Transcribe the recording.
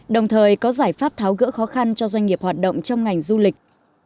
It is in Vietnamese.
đồng thời có giải pháp tháo gỡ khó khăn cho doanh nghiệp hoạt động trong ngành du lịch